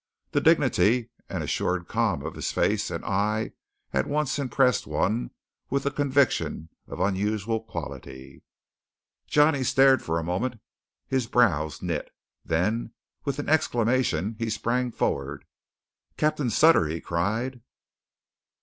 The dignity and assured calm of his face and eye at once impressed one with conviction of unusual quality. Johnny stared for a moment, his brows knit. Then with an exclamation, he sprang forward. "Captain Sutter!" he cried.